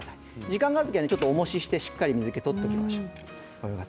時間があるときは、おもしをしてしっかり水けを取っておきましょう。